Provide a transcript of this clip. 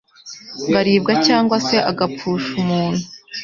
ngo aribwa cyangwa se agapfusha umuntu